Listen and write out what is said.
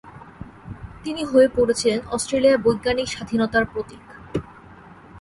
তিনি হয়ে পড়েছিলেন অস্ট্রিয়ার বৈজ্ঞানিক স্বাধীনতার প্রতীক।